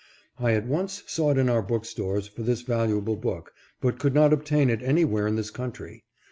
I at once sought in our bookstores for this valuable book, but could not obtain it anywhere in this country.